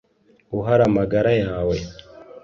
uhara amagara yawe